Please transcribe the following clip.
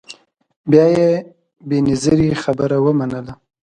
بیا یې بنظیري خبره ومنله